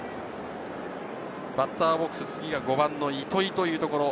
バッターボックス、次は５番の糸井というところ。